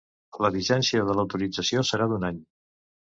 La vigència de l’autorització serà d’un any.